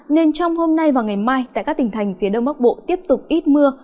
nên trong hôm nay và ngày mai tại các tỉnh thành phía đông bắc bộ tiếp tục ít mưa